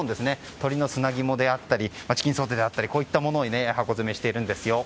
鶏の砂肝であったりチキンソテーであったりこういったものを箱詰めしているんですよ。